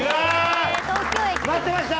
待ってました！